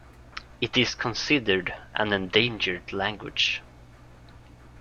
It is considered an endangered language.